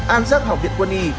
an rắc học viện quân y